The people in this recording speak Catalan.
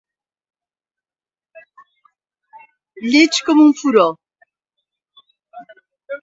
Lleig com un furó.